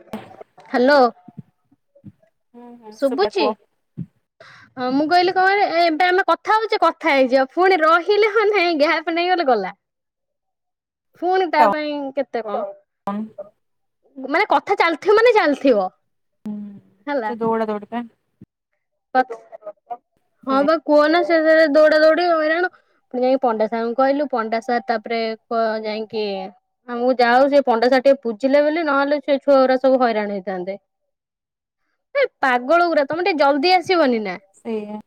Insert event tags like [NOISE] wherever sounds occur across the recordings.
ହୁଁ ହାଲୋ। ହୁଁ ଶୁଭିଲା ଶୁବୁଚି? କୁହ। ହଁ ମୁଁ କହିଲି କଣ, ଏବେ ଆମେ କଥା ହଉଚେ କଥା ହେଇଯିବା, ପୁଣି ରହିଲେ ହ ନାଇଁ ଗ୍ୟାପ ନେଇଗଲେ ଗଲା। ଫୁଣି ତାପାଇଁ କେତେ କଣ। [UNINTELLIGIBLE] ମାନେ କଥା ଚାଲିଥିବ ମାନେ, ଚାଲିଥିବ। ହୁଁ, ହେଲା। ସେ ଦୌଡ଼ ଦୌଡ଼ି ପା। ହଁ ସେଇଆ ବା କୁହ ନା, ସେ ସିଆଡେ ଦୌଡା ଦୌଡି ହଇରାଣ ପୁଣି ପଣ୍ଡା ସାର ଙ୍କୁ କହିଲୁ, ପଣ୍ଡା ସାର୍ ତାପରେ କ ଯାଇକି ଆମକୁ ଯାଉ ହଉ, ସେ ପଣ୍ଡା ସାର ଟିକେ ପୁଜିଲେ ବୋଲି, ନହେଲେ ସେ ଛୁଆଗୁରା ସବୁ ହଇରାଣ ହେଇଥାନ୍ତେ। ଏ ପାଗଳ ଗୁରା, ତମେ ଟିକେ ଜଲଦି ଆସିବନି ନା? ସେଇଆ।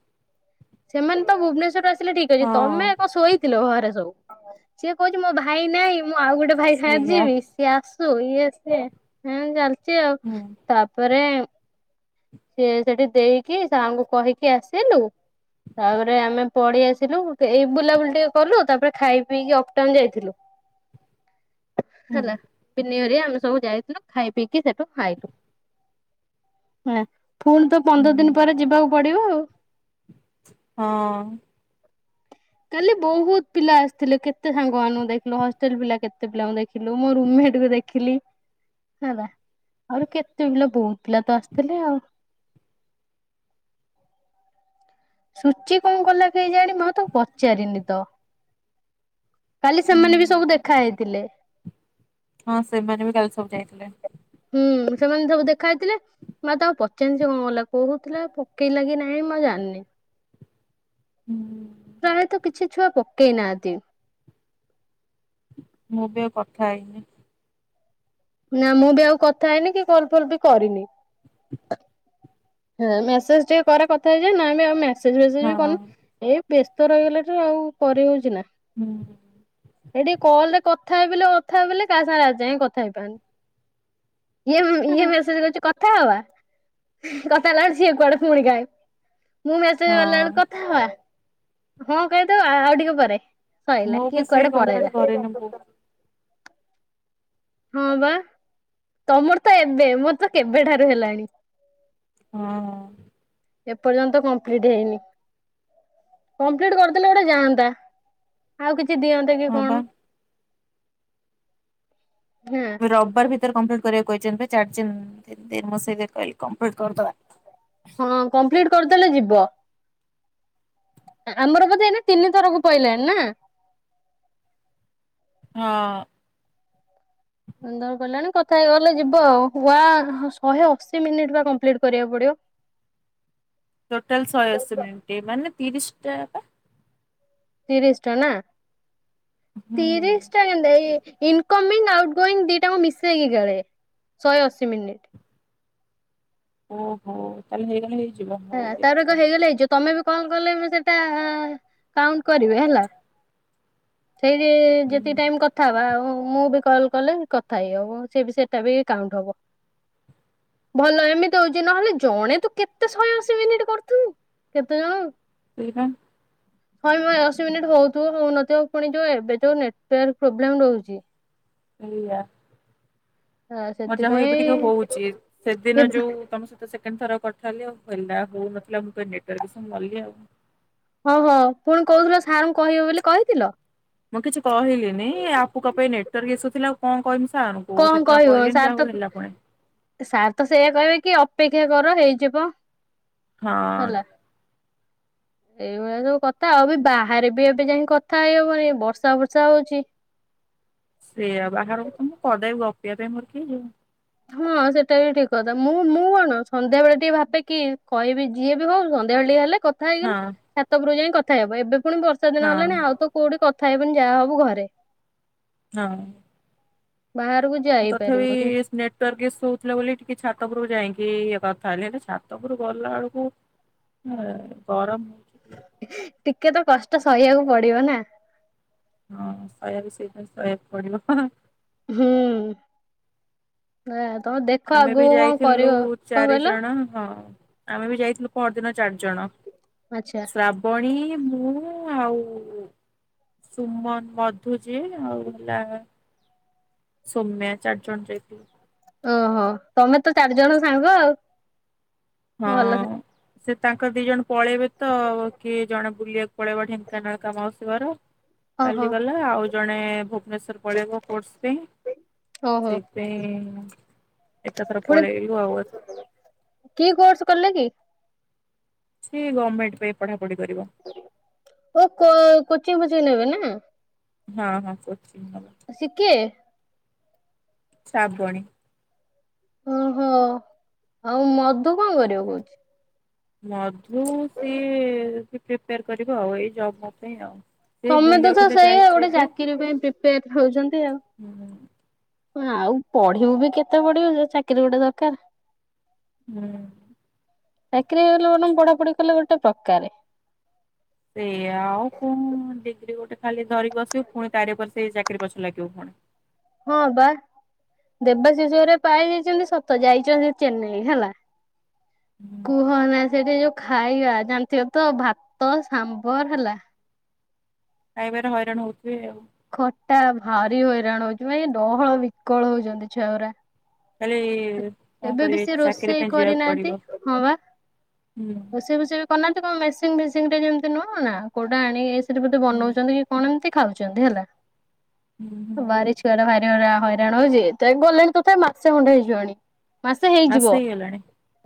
ସେମାନେ ତ ଭୁବନେଶ୍ଵର ଆସିଲେ, ଠିକ ଅଛି, ହଁ। ତମେ କ ଶୋଇଥିଲ ଘରେ ସବୁ? ସିଏ କହୁଚି ମୋ ଭାଇ ନାଇଁ, ମୁଁ ଆଉ ଗୋଟେ ଭାଇ ସାଙ୍ଗରେ ସେଇଆ ଯିବିସ୍। ସିଏ ଆସୁ, ଇଏ ସିଏ, ଏମିତି ଚାଲିଚି ଆଉ, ହୁଁ ତାପରେ ସିଏ ସେଠି ଦେଇକି, ସାର୍ ଙ୍କୁ କହିକି ଆସିଲୁ ତାପରେ ଆମେ ପଡେଇ ଆସିଲୁ, ଏଇ ବୁଲାବୁଲି ଟିକେ କଲୁ, ତାପରେ ଖାଇ ପିଇକି ଅପଟାଉନ ଯାଇଥିଲୁ। ହୁଁ ହେଲା, ତିନିଘରିଆ ଆମେ ସବୁ ଯାଇଥିଲୁ, ଖାଇ ପିଇକି ସେଠୁ ଆଇଲୁ। ନା, ଫୁଣି ତ ହୁଁ ପନ୍ଦର ହୁଁ ଦିନ ପରେ ଯିବାକୁ ପଡିବ ଆଉ। ହଁ। କାଲି ବହୁତ ପିଲା ଆସିଥିଲେ, କେତେ ସାଙ୍ଗମାନଙ୍କୁ ଦେଖିଲୁ, ହଷ୍ଟେଲ ପିଲା କେତେ ପିଲାଙ୍କୁ ଦେଖିଲୁ, ମୋ ରୁମେଟକୁ ଦେଖି ଦେଖିଲି, ହେଲା, ଆହୁରି କେତେ ପିଲା ବହୁତ ପିଲା ତ ଆସିଥିଲେ ଆଉ। ସୂଚି କଣ କଲା କେଇଜାଣି, ମୁଁ ତାକୁ ପଚାରିନି ତ। କାଲି ସେମାନେ ବି ହୁଁ ସବୁ ଦେଖା ହେଇଥିଲେ। ହଁ, ସେମାନେ ବି କାଲି ସବୁ ଯାଇଥିଲେ। ହୁଁ, ସେମାନେ ସବୁ ଦେଖା ହେଇଥିଲେ। ମୁଁ ଆଉ ତାକୁ ପଚାରିନି, ସେ କଣ କଲା, କହୁଥିଲା ପକେଇଲା କିି ନାହିଁ, ମୁଁ ଆଉ ଜାଣିନି। ହୁଁ। ପ୍ରାୟତଃ କିଛି ଛୁଆ ପକେଇ ନାଆନ୍ତି। ମୁଁ ବି ଆଉ କଥା ହେଇନି। ନା ମୁଁ ବି ଆଉ କଥା ହେଇନି କି କଲ ଫଲ ବି କରିନି। ମେସେଜ ଟିକେ କରେ କଥା ହେଇଯାଏ ନନେ ଆଉ ମେସେଜ ହଁ ଫେସେଜ ବି କନି। ଏଇ ବ୍ୟସ୍ତ ରହିଗଲା ଠୁ ଆଉ କରି ହଉଚି ନା। ହୁଁ। ଏ ଟିକେ କଲ ରେ କଥା ହେଇ ବଲେ କଥା ହେଇ ବୋଲି କା ସାଙ୍ଗରେ ଆଜ ଯାଏଁ କଥା ହେଇପାରନି। ଇଏ ଇଏ ମେସେଜ କରୁଚି କଥା ହବା କଥା ହେଲାଳୁ ସିଏ କୁଆଡେ ପୁଣି ଗାଏପ। ମୁଁ ମେସେଜ କଲା ବେଳକୁ ହଁ କଥା ହବା ହଁ କହିଦବ ଆଉ ଟିକେ ପରେ। ସଇଲା ମୁଁ ବି କିଏ ସେଇ କୁଆଡେ କମ୍ପ୍ଲିଟ ପରେଇଲା କରିନି ବୋ ହଁ ବା ତମର ତ ଏବେ ମୋର ତ କେବେଠାରୁ ହେଲାଣି। ହଁ। ଏପର୍ଯ୍ୟନ୍ତ କମ୍ପ୍ଲିଟ ହେଇନି। କମ୍ପ୍ଲିଟ କରିଦେଲେ ଗୋଟେ ଜାଣନ୍ତା ଆଉ କିଛି ଦିଅନ୍ତେ କି ହଁ ବା କଣ। ହୁଁ। ରବିବାର ଭିତରେ କମ୍ପ୍ଲିଟ୍ କରିବାକୁ କହିଛନ୍ତି ଚାରି ଦିନ ଦ ଦିନସ କହିଲେ କମ୍ପ୍ଲିଟ୍ କରିଦେବା। ହଁ କମ୍ପ୍ଲିଟ କରିଦେଲେ ଯିବ। ଆମର ବୋଧେ ଏଇ ନା ତିନିଥରକୁ ପଇଲାଣି ନା। ହଁ। ବନ୍ଦର ଗଲାଣି କଥା ହେଇ ଗଲେ ଯିବ ଆଉ ଆ ଶହେ ଅଶୀ ମିନିଟ ବା କମ୍ପ୍ଲିଟ କରିବାକୁ ପଡିବ। ଟୋଟାଲ ଶହେଅଶି ମିଣ୍ଟ ମାନେ ତିରିଶ ଟା ବା। ତିରିଶ ଟା ନା? ହୁଁ ତିରିଶ ଟା କେମତି ଏଇ ଇନକମିଙ୍ଗ ଆଉଟ ଗୋଇଂଗ ଦିଟା କ ମିଶେଇକି ଗଳେ ଶହେ ଅଶୀ ମିନିଟ। ଓହୋ ତାହେଲେ ହେଇଗଲେ ହେଇଯିବ ହଉ ହେଲା ତାର ଦେଖିବା। ଏକ ହେଇଗଲେ ହେଇଯିବ। ତମେ ବି କଲ କଲେ ମୁ ସେଇଟା କାଉଣ୍ଟ କରିବେ ହେଲା। ସେଇଠି ଯେତିକି ହୁଁ ଟାଇମ୍ କ ଥା ହେବା ଆଉ ମୁଁ ବି କଲ୍ କଲେ କଥା ହେଇ ହବ ସିଏବି ସେଟା ବି କାଉଣ୍ଟ ହବ। ଭଲ ଏମିତି ହଉଚି ନହେଲେ ଜଣେ ତୁ କେତେ କେତେ ଶହେ ଅଶୀ ମିନିଟ୍ କରୁଥିବୁ କେତେ ଜଣ ସେଇପା। ଶହେ ଅଶୀ ମିନିଟ୍ ହଉଥିବ ହଉନଥିବ ପୁଣି ଯୋଉ ଏବେ ଯୋଉ ନେଟୱାର୍କ ପ୍ରୋବ୍ଲେମ ରହୁଚି। ସେଇଆ। ଆ ମଜା ହଉ ସେଥିପାଇଁ ଏବେ ଟିକେ ହଉଚି। ସେଦିନ ଏବେ ଯୋଉ ତମ ସହିତ ସେକେଣ୍ଡ ଥର କଥା ହେଲି ଆଉ ହେଲା ହଉନଥିଲା ମୁଁ କହିଲି ନେଟୱାର୍କ [UNINTELLIGIBLE] ସବୁ [UNINTELLIGIBLE] ଆଉ। ହଁ ହୋ ପୁଣି କହୁଥିଲ ସାର୍ଙ୍କୁ କହିବ ବୋଲି କହିଥିଲ। ମୁଁ କିଛି କହିଲିିନି [UNINTELLIGIBLE] ପାଇଁ ନେଟୱାର୍କ ଇସୁଥିଲା ଆଉ କଣ କହମି ସାର୍ ଙ୍କୁ। ମୁଁ କଣ ସେଥିପାଇ କହିବ କହିଲିନି ସାର୍ ଯାହା ତ ହଉ ହେଲା ପୁଣି। ସାର୍ ତ ସେଇୟା କହିବେ କି ଅପେକ୍ଷା କର ହେଇଯିବ ହଁ ହେଲା। ଏଇଭଳିଆ ସବୁ କଥା ଆଉ ବି ବାହାରେ ବି ଏବେ ଯାଇକି କଥା ହେଇ ହବନି ବର୍ଷା ବର୍ଷା ହଉଚି ସେଇଆ ବାହାରକୁ ତ ମୁଁ କଦାପି ଗପିବା ପାଇଁ ମୋର କିଏ ଯିବ। ହଁ ସେଟା ବି ଠିକ୍ କଥା ମୁଁ ମୁଁ କଣ ସନ୍ଧ୍ୟା ବେଳେ ଟିକେ ଭାବେ କି କହିବି ଯିଏ ବି ହଉ ସନ୍ଧ୍ୟାବେଳେ ଟିକେ ହେଲେ କ କଥା ହେଇଗଲ ଛାତ ଉପରକୁ ଯାଇଁ କଥା ହେବ ଏବେ ପୁଣି ବର୍ଷା ହଁ ଦିନ ହେଲାଣି ଆଉ ତ କୋଉଠି କଥା ହେବିନି ଯାହା ହବୁ ଘରେ। ହଁ। ବାହାରୁକୁ ମୁଁ ତଥାବି [UNINTELLIGIBLE] ନେଟୱର୍କ ଇସୁ ହଉଥିଲା ବୋଲି ଟିକେ ଛାତ ଉପୁରୁକୁ ଯାଇଁଙ୍କି ଇଏ କଥା ହେଲି ହେଲେ ଛାତ ଉପର ଗଲାଆଳକୁ [UNINTELLIGIBLE] ଗରମ ହ ଟିକେ ତ କଷ୍ଟ ସହିଆକୁ ପଡିବ ନା? ହଁ ସହିଆକୁ ସେଇଥିପାଇଁ ସହିଆକୁ ପଡିବ ହଁ ହଁ ହୁଁ [UNINTELLIGIBLE] ତମେ ଦେଖ ଆଗୁକୁ କଣ କରିବ କଣ କହିଲ? ଆଁ ହଁ। ଆମେ ବି ଯାଇଥିଲୁ ପଅରଦିନ ଚାରି ଜଣ। ଆଚ୍ଛା। ଶ୍ରାବଣୀ, ମୁଁ ଆଉ ସୁମନ, ମଧୁ ଯେ ଆଉ ହେଲା ସୋମ୍ୟା ଚାରି ଜଣ ଯାଇଥିଲୁ। ଓ ହ ତମେ ତ ଚାରିଜଣ ସାଙ୍ଗ ଆଉ। ଭଲ ହଁ। ସେ ତାଙ୍କ ଦି ଜଣ ପଳେଇବେ ତ କିଏ ଜଣେ ବୁଲିଆକୁ ପଳେଇବ ଢେଙ୍କାନାଳ ତା ମାଉସୀ ଘର ଓହୋ କାଲି ଗଲା ଆଉ ଜଣେ ଭୁବନେଶ୍ଵର ପଳେଇବ କୋର୍ସ ପାଇଁ ଓହୋ ସେଇଥିପାଇଁ ଏକାଥର ପୁଣି ପଳେଇଲୁ ଆଉ କି କୋର୍ସ କଲେ କି? ସିଏ ଗମେଣ୍ଟ ପାଇଁ ପଢାପଢି କରିବ। ଓ କୋ କୋଚିଙ୍ଗ ଫୋଚିଂ ନେବେ ନା? ହଁ ହଁ କୋଚିଂ ନବ। ଅ ସିଏ କିଏ? ଶ୍ରାବଣୀ। ଓ ହ ଆଉ ମଧୁ କଣ କରିବ କଉଛି? ମଧୁ ସିଏ ପ୍ରିପେୟାର କରିବ ଆଉ ଏଇ ଜବ୍ ମବ୍ ପାଇଁ ଆଉ। ସେ ସମେତେ ବୁଲିବାକୁ ତ ହେଲେ ସେଇଆ ଯାଇଛି ଗୋଟେ ଏବେ ଚାକିରି ପାଇଁ ପ୍ରିପେୟାର ହଉଛନ୍ତି ଆଉ। ହୁଁ ଆଉ ପଢିବୁ ବି କେତେ ପଢିବୁ ଯେ ଚାକିରି ଗୋଟେ ଦରକାର। ହୁଁ। ଚାକିରି ହେଇଗଲେ ବରଂ ପଢାପଢି କଲେ ଗୋଟେ ପ୍ରକାରେ। ସେୟା ଆଉ କଣ ଡିଗ୍ରୀ ଗୋଟେ ଖାଲି ଧରିକି ବସିବୁ ଫୁଣି ତାରି ଉପରେ ସେଇ ଚାକିରି ପଛ ଲାଗିବୁ ପୁଣି। ହଁ ବା। ଦେବାଶିଶରେ ପାଇ ଯାଇଛନ୍ତି ସତ ଯାଇଛନ୍ତି ଚେନ୍ନାଇ ହେଲା ହୁଁ କୁହ ନା ସେଇଠି ଯୋଉ ଖାଇବା ଜାଣିଥିବ ତ ଭାତ ସାମ୍ବର ହେଲା। ଖାଇବାରେ ହଇରାଣ ହଉଥିବେ ଆଉ। ଖଟା ଭାରି ହଇରାଣ ହଉଛି [UNINTELLIGIBLE] ଡହଳ ବିକଳ ହଉଛନ୍ତି ଛୁଆଗୁରା। ଖାଲି କଣ ଏବେ ବି କରିବେ ସେ ଚାକିରି ରୋଷେଇ ପାଇଁ ଯିବାକୁ କରିନାହାନ୍ତି ପଡିବ ହଁ ବା ହୁଁ ରୋଷେଇ ବୋଷେଇ କନା [UNINTELLIGIBLE] କଣ ମେସିନ ଫେସିନରେ ଯେମତି ନୁହଁ ନା କୋଉଟା ଆଣି ଏ ସେଠି ବୋଧେ ହୁଁ ବନଉଛନ୍ତି କି କଣ ଏମତି ଖାଉଛନ୍ତି ହେଲା। ହୁଁ। ହୁଁ ବାରି ଛୁଆଟା ଭାରି [UNINTELLIGIBLE] ହଇରାଣ ହଉଛି ତ ଗଲେଣି ତଥାପି ମାସେ ଖଣ୍ଡେ ହେଇଯିବଣି। ମାସେ ହେଇଯିବ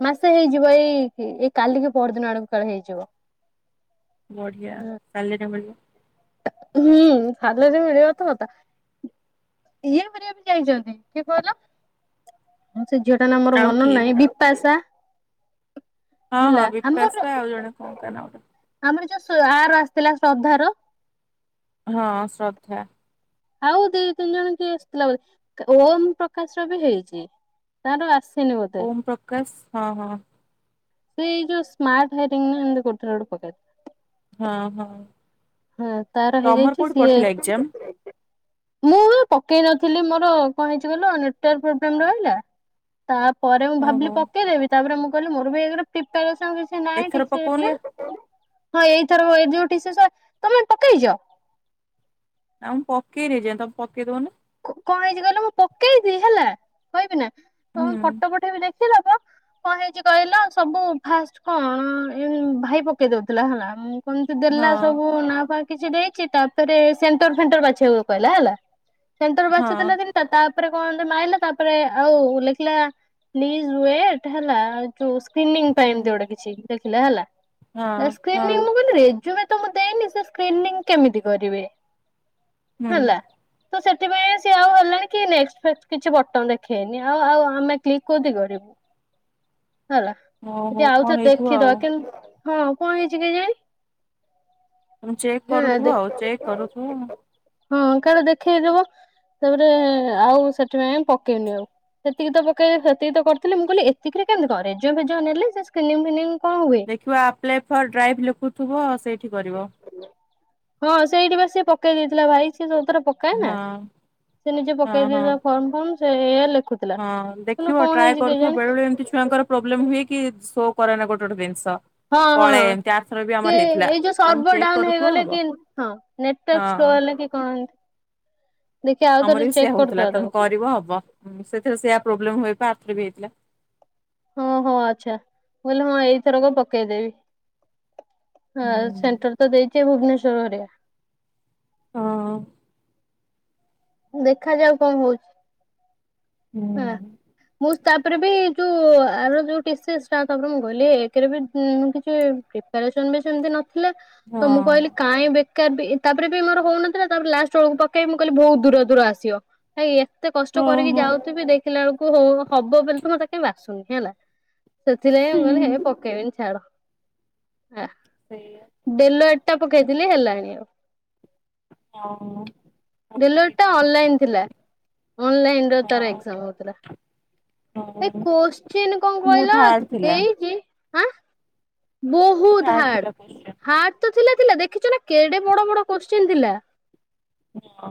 ମାସ ହେଇଯିବ ଏଇ ଏଇ କାଲି କି ପହର ଦିନ ଆଡକୁ କାଳେ ହେଇଯିବ। ବଢିଆ ସାଲେରି ‌ମିଳିବ। ହୁଁ ସାଲେରି ମିଳିବ ତ କଥା। ଇଏ ଘରିକା ବି ଯାଇଛନ୍ତି କିଏ କହିଲ। ସେଇ ଝିଅଟା ନା ମୋର ଆଉ ମନ କିଏ ନାହିଁ ବିପାସା। ହଁ ହେଲା ହଁ ଆମର ବିପାଶା ଆଉ ଜଣେ କଣ ତ ନା ଗୋଟା। ଆମର ଯୋଉ ସ୍ଵା ଆର ଆସିଥିଲା ଶ୍ରଦ୍ଧାର। ହଁ ଶ୍ରଦ୍ଧା। ଆଉ ଦୁଇ ତିନି ଜଣ କିଏ ଆସିଥିଲା ବୋଧେ ଓମ୍ ପ୍ରକାଶ ର ବି ହେଇଛି। ତାର ଆସିନି ବୋଧେ। କାଶ ହଁ ହଁ। ସେ ଏଇ ଯୋଉ ସ୍ମାର୍ଟ ହାଇରିଙ୍ଗ ନା ଏମିତି କୋଉଥେରେ ଗୋଟ ପକାଏ। ହଁ ହଁ। ହଁ ତାର ତମର ହେଇଯାଇଛି କୋଉଠି ସିଏ। ପଡିଥିଲା ଏକ୍ଜାମ ମୁଁ ବି ପକେଇ ନଥିଲି ମୋର କଁ ହେଇଛି କହିଲୁ ଆଉ ନେଟୱାର୍କ ପ୍ରୋବ୍ଲେମ ରହିଲା। ତାପରେ ମୁଁ ଭାବିଲି ଓହୋ ପକେଇଦବି ତାପରେ ମୁଁ କହିଲି ମୋରବି ଏକ ରେ ପ୍ରିପେୟାରେସନ‌ କିଛି। ନାଇଁ ଏଥର କିଛି ପକଉନା ଏଇ ହଁ ଏଇଥର ଏଇ ଯୋଉ ଟି ସି ଏସ୍ ତମେ ପକେଇଛ। ଆଉ ମୁଁ ପକେଇ ଦେଇଛି ତମେ ପକେଇ ଦଉନ। କ କଁ ହେଇଛି କହିଲ ମୁଁ ପକେଇଛିି ହେଲା କହିବି ନା ତମ ହୁଁ ଫଟୋ ପଠେଇବି ଦେଖିଦବ। କଁ ହେଇଛି କହିଲ ସବୁ ଫାଷ୍ଟ କଁ ଏମ୍ ଭାଇ ପକେଇ ଦଉଥିଲା ହେଲା। କଁ ଏମିତି ଦେଲା ହଁ ସବୁ ନାଁ ଫା କିଛି ଦେଇଛି ତାପରେ ସେଣ୍ଟର ଫେଣ୍ଟର ବାଛିବାକୁ କହିଲା ହେଲା। ସେଣ୍ଟରରୁ ହଁ ବାଛୁଥିଲା ତାରେ ତା ତାପରେ କଁ ହେଲା ମାଇଲା ତାପରେ ଆଉ ଲେଖିଲା ପ୍ଲିଜ ୱେଟ୍‌ହେଲା। ଯୋଉ ସ୍କ୍ରିଲିଙ୍ଗ ଟା ହୁଁ ଏମିତି ଗୋଟେ କିଛି ଦେଖିଲା ହେଲା ହଁ ଯୋଉ ହଁ ସ୍କ୍ରିଲିଙ୍ଗ ମୁଁ କହିଲି ରେ ସେଗୁଡା ତ ମୁଁ ଦେଇନି ସ୍କ୍ରିଲିନିଂ କେମିତି କରିବେ ହୁଁ ହେଲା। ତ ସେଥିପାଇଁ। ତ ସିଏ ଆଉ ହେଲାଣି କି ନେଷ୍ଟ ଫେଷ୍ଟ କିଛି ବଟମ ଦେଖେଇନି ଆଉ ଆଉ ଆମେ କ୍ଲିକ୍ କୋଉଠି କରିବୁ। ହେଲା ଓହୋ ଯଦି କଣ ଆଉଥରେ ହେଇଥିବ ଆଉ ଦେଖିଦବା କେମ ହଁ କଣ ହେଇଛି କେଯାଣି। ତମେ ଚେକ୍ ହୁଁ କରୁଥିବ ଆଉ ଚେକ୍ କରୁଥିବ କାଳେ ଦେଖେଇଦବ। ତାପରେ ଆଉ ସେଥିପାଇଁ ପକେଇନି ଆଉ। ସେତିକି ତ ପକେଇ ସେତିକି ତ କରିଥିଲେ ମୁଁ କିଇଲି ଏତିକି କେମତି କଁ ରେଜଲ୍ଟ ଫେଜଲ୍ଟ ନେଲେ ସେ ସ୍କ୍ରିନିଂ ଫିନିଙ୍ଗ କଣ ହୁଏ। ଦେଖିବ ଆପ୍ଲାଏ ଫର୍ ଡ୍ରାଇଭ୍ ଲେଖୁଥିବ ସେଇଠି କରିବ। ହଁ ସେଇଠି ବା ସିଏ ପକେଇ ଦେଇଥିଲା ଭାଇ ସିଏ ସବୁତାର ପ କାଏ ନା ହଁ ସେ ନିଜେ ହଁ ପକେଇ ହଁ ଦେଇ ଫର୍ମ ଫମ ସେ ଏୟା ଲେଖୁ। ହଁ ଦେଖିବ ଟ୍ରାଏ କରୁଥିବ ବେଳେ ବେଳେ ଏମିତି ଛୁଆଙ୍କର ପ୍ରୋବ୍ଲେମ ହୁଏ କି ସୋ କରେନ ଗୋଟେ ଗୋଟେ ଜିନିଷ। ହଁ ହଁ ପଳାଏ ଏମିତି ଆରଥର ବି କି ଆମର ହେଇଥିଲା ଏଇ ଯୋଉ ତମେ ସର୍ଭର ଚେକ୍ ଡାଉନ କରୁଥିବ ହେଇଗଲେ ହବ କି ହଁ। ନେଟୱାର୍କ ସ୍ଲୋ ହଁ। ହେଲେ କି କଣ ଏମିତି। ଦେଖିଆ ଆଉ ଥରେ ଆମର ବି ଚେକ୍ ସେୟଆ ହଉଥିଲା କରିଦବା ତମେ ତାକୁ କରିବ ହବ ସେଥିରେ ସେଇଆ ପ୍ରୋବ୍ଲେମ ହୁଏ ପା ଆରଥର ବି ହେଇଥିଲା। ହଁ ହଁ ଆଚ୍ଛା। ମୁଁ କହିଲି ମୁଁ ଏଇ ଥରକ ପକେଇଦେବି। ଆ ସେଣ୍ଟର ତ ଦେଇଥିବେ ଭୁବନେଶ୍ୱର ଘରିକା। ହଁ। ଦେଖାଯାଉ କଁ ହଉଛି। ହେଲା। ହୁଁ। ମୁଁ ତାପରେ ବି ଯୋଉ ଆର ଯୋଉ ଟି ସି ଏସ୍ ଟା ତାପରେ ମୁଁ କହିଲି ଏକରେ ବି ମୁଁ କିଛି ପ୍ରି ତା ରିଟନ ବି ସେମିତି ନଥିଲା ତ ମୁଁ ହଁ। କହିଲି କାଇଁ ବେକାର ବି ତାପରେ ବି ମୋର ହଉନଥିଲା ତାପରେ ଲାଷ୍ଟ ବେଳକୁ ପକେଇି ମୁଁ କହିଲି ବହୁତ ଦୂର ଦୂର ଆସିବ। ଭାଇ ଏତେ କଷ୍ଟ କରିକି ଓହୋ ହୁଁ। ଯାଉଥିବି ଦେଖିଲା ବେଳକୁ ହୋ ହବ ବୋଲି ତ ମତେ କାହିଁ ବାସୁନି ହେଲା। ସେଥିଲାଗି ମୁଁ କହିଲେ ହେ ପକେଇବିନି ଛାଡ। ହାଁ। ସେଇଆ। ଡେଲଏଟା ପକେଇଥିଲି ହେଲାଣି ଆଉ। ହଁ ଡେଲଏଟା ଅନଲାଇନ ଥିଲା ଅନଲାଇନର ତାର ହଁ ଏକ୍ଜାମ ହେଉଥିଲା। ଏ ହଁ କୋଶ୍ଚିିନ କଣ ମୁଁ କହିଲ ଥାର୍ଡ ଥିଲା ଦେଇଛି। ହଆଁ? ବହୁତ ଥାର୍ଡ ହାର୍ଡ। ଥିଲା କୋଶ୍ଚିନ୍। ହାର୍ଡ ତ ଥିଲା ଥିଲା ଦେଖିଛୁ ନା କେଡେ ବଡ ବଡ କୋଶ୍ଚିନ୍ ଥିଲା? ହଁ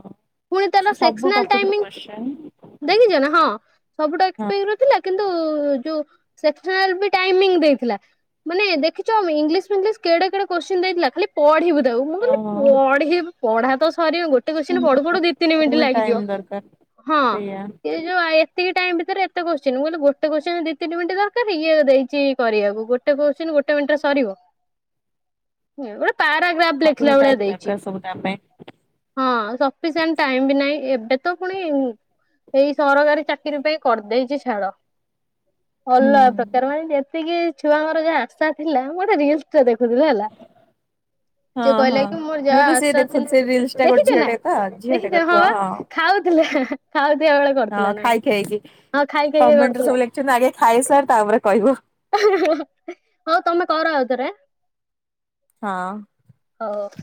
ପୁଣି ତାର ସେ ସବୁ ସେକ୍ସନାଲ ଟପିକରୁ ଟାଇମିଂ କୋଶ୍ଚିନ୍। ଦେଖିଛ ନା ହଁ। ସବୁଠୁ ହଁ। [UNINTELLIGIBLE] ଥିଲା କିନ୍ତୁ ଯୋଉ ସେକ୍ସନାଲ ବି ଟାଇମୀଙ୍ଗ ଦେଇଥିଲା। ମାନେ ଦେଖିଛ ଇଂଲିଶ ଫିଙ୍ଗଲିଶ କେଡେ କେଡେ କୋସଚୀନ ଦେଇଥିଲା ଖାଲି? ପଢିବୁ ତାକୁ ମୁଁ କହିଲି ଓହୋ। ପଢି ପଢା ତ ସରିିବ ଗୋଟେ କ ପଢ଼ୁ ପଢ଼ୁ ଦି ତିନି ମିନିଟ ଫୁଲ୍ ଲାଗିଯିବ ଟାଇମ୍ ଦରକାର ହଁ। ସେଇଆ ଯୋଉ ଏତିକି ଟାଇମ ଭିତରେ ଏତେ କୋଶ୍ଚିନ୍ କହିଲେ ଗୋଟେ କୋଶ୍ଚି ଦି ତିନି ମିନିଟ ଦରକାର ଇଏ ଦେଇଛି କରିବାକୁ ଗୋଟେ। ଗୋଟେ କୋଶ୍ଚିନ୍ ଗୋଟେ ମିନିଟରେ ସରିବ ମୋର ପାରାଗ୍ରାଫ ଲେଖିଲା ଅଧିକ ଭେଳିଆ ଟାଇମ୍ ଦେଇଛି ଦରକାର ସବୁ ତା ପାଇଁ। ହଁ ସ ସଫିସେଣ୍ଟ ଟାଇମ ବି ନାହିଁ ଏବେ ତ ପୁଣି ଏଇ ସରକାରୀ ଚାକିରି ପାଇଁ କରିଦେଇଛି ଛାଡ ହୁଁ ଅଲଗା ପ୍ରକାର ମାନେ ଯେ ସେତିକି ଛୁଆଙ୍କର ଯାହା ଆଶା ଥିଲା। ମୁଁ ଗୋଟେ ରିଲସ୍ ଟେ ଦେଖୁଥିଲି ହେଲା। ସେ ହଁ କହିଲା ହଁ କି ମୋର ମୁଁ ଯାହା ବି ସେଇ ଆସା ଦେଖୁଛି ସେ ରିଲସ୍ ଥିଲା ଟା ଗୋଟେ ଦେଖିଛ ନାଁ ଝିଅଟେ ତ ଝିଅଟେ ଦେଖିଚ ହଁ କରିଥିବ ଵା ଖାଉଥିଲା ଖାଉଥିବା ବେଳେ ହଁ କରିଥିଲା ନା ଖାଇ ଆଉ। ଖାଇକି ହଁ ଖାଇ ଖାଇକି କମେଣ୍ଟରେ କରିଥିଲା। [INAUDIBLE] ଆଗେ ଖାଇ ସାର୍ ତାପରେ କହିବୁ। [INAUDIBLE] ହଁ ତମେ କର ଆଉଥରେ। ହଁ। ଓ ହୋ।